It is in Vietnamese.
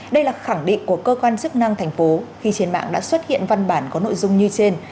đây là khẳng định của cơ quan chức năng thành phố khi trên mạng đã xuất hiện văn bản có nội dung như trên